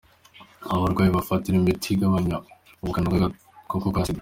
Aho abarwayi bafatira imiti igabanya ubukana bw’agakoko ka Sida